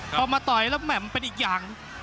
พอมาต่อยแล้วแหม่มเป็นอีกอย่าง